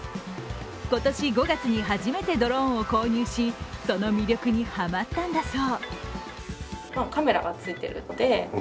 今年５月に初めてドローンを購入しその魅力にはまったんだそう。